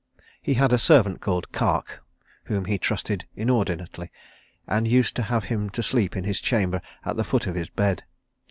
He had a servant called Kark, whom he trusted inordinately, and used to have him to sleep in his chamber at the foot of his bed.